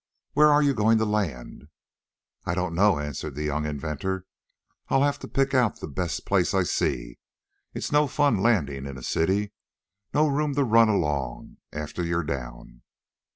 Where are you going to land?" "I don't know," answered the young inventor, "I'll have to pick out the best place I see. It's no fun landing in a city. No room to run along, after you're down."